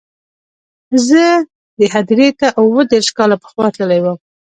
زه دې هدیرې ته اووه دېرش کاله پخوا تللی وم.